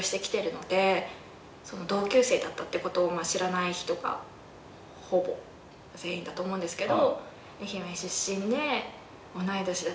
同級生だったって事を知らない人がほぼ全員だと思うんですけど。